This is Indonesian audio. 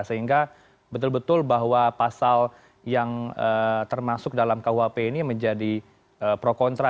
sehingga betul betul bahwa pasal yang termasuk dalam kuhp ini menjadi pro kontra